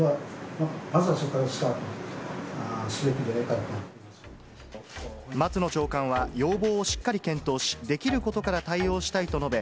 まずはそこからスタートすべきで松野長官は、要望をしっかり検討し、できることから対応したいと述べ、